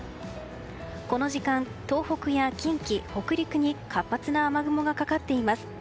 この時間、東北や近畿、北陸に活発な雨雲がかかっています。